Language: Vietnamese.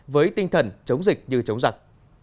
với tinh thần chống dịch như chống giặc